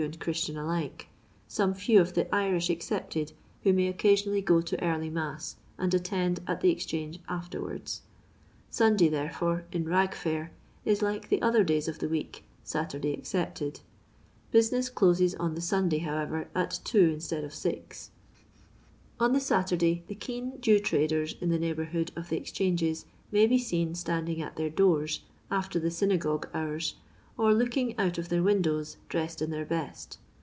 and Christian alike, some few of the Irish ex cepted, who may occasionally go to early mass, and attend at the Exchange lUierwards. Sunday, therefore, in " Bag &ir," is like the other days of the week (Saturday excepted) ; business closes on the Sunday, however, at 2 instead of 6. On the Saturday the keen Jew traders in the neighbourhood of the Exchanges may be seen standing at their doors — after the synagogue hours — or looking out of their windows, dressed in their best.